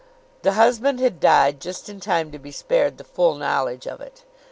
The husband had died just in time to be spared the full knowledge of it.